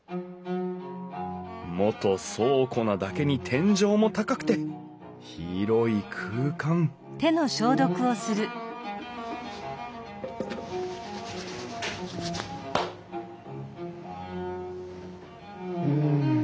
元倉庫なだけに天井も高くて広い空間うん